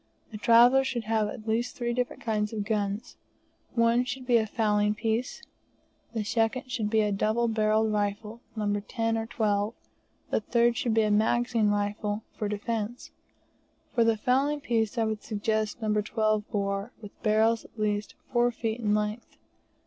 A traveller should have at least three different kinds of guns. One should be a fowling piece, the second should be a double barrelled rifle, No. 10 or 12, the third should be a magazine rifle, for defence. For the fowling piece I would suggest No. 12 bore, with barrels at least four feet in length.